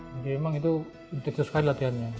jadi memang itu kita suka latihannya